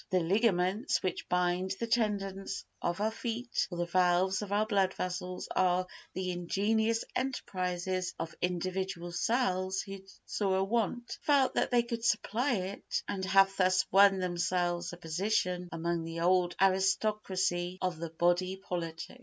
The ligaments which bind the tendons of our feet or the valves of our blood vessels are the ingenious enterprises of individual cells who saw a want, felt that they could supply it, and have thus won themselves a position among the old aristocracy of the body politic.